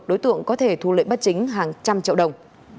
đối tượng có thể thu lợi bất chính hàng trăm triệu đồng